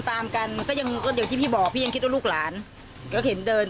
เขาไม่ได้คุยด้วยไงมีคนดีใจดี